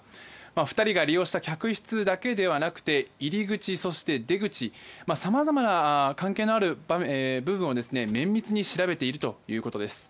２人が利用した客室だけではなくて入り口、そして出口さまざまな関係のある部分を綿密に調べているということです。